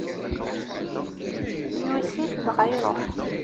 Yuyes-it dɣa iṛuḥ.